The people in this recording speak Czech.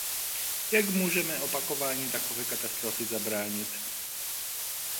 Jak můžeme opakování takové katastrofy zabránit?